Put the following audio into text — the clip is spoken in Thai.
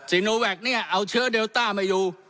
โนแวคเนี่ยเอาเชื้อเดลต้ามาอยู่